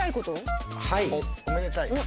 おめでたい。